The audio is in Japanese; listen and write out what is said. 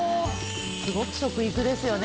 すごく食育ですよね